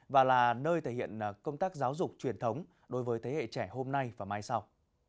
và là nơi thể hiện công tác giáo dục truyền thống đối với thế hệ trẻ hôm nay và mai sau